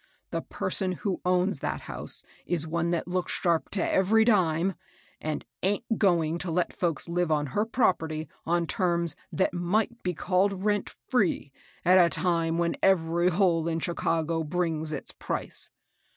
The person who owns that house is one that looks sharp to every dime, and aint going to let folks live on her property on t^ms that might be called rent free, at a time when every hole in Chicago brings its price.